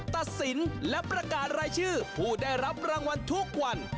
ตัดสินและประกาศรายชื่อผู้ได้รับรางวัลทุกวัน